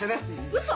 うそ！